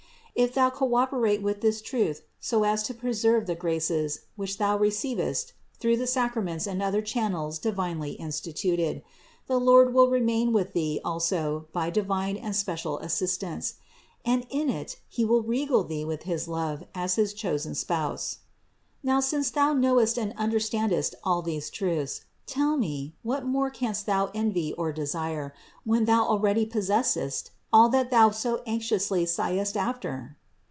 If thou co operate with this truth so as to preserve the graces, which thou receivest through the sacraments and other channels divinely instituted, the Lord will remain with thee also by divine and special assistance; and in it He will regale thee with his love as his chosen spouse. Now since thou knowest and understandest all these truths, tell me, what more canst thou envy or desire, when thou 2 29 430 CITY OF GOD already possesses! all that thou so anxiously sighest after?